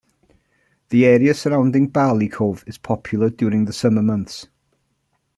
The area surrounding Barleycove is popular during the summer months.